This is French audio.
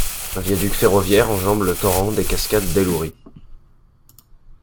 Un viaduc ferroviaire enjambe le torrent des cascades d'El Ourit.